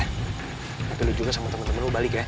nanti lo juga sama temen temen lo balik ya